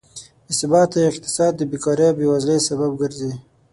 بېثباته اقتصاد د بېکارۍ او بېوزلۍ سبب ګرځي.